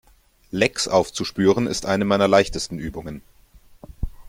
Lecks aufzuspüren, ist eine meiner leichtesten Übungen.